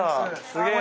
すげえ！